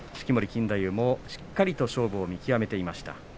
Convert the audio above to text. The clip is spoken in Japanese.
錦太夫、しっかりと勝負を見極めていました。